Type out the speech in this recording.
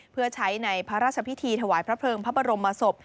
เพื่อใช้ในพระราชพิธีถวายพระเพลิงพระบรมศพ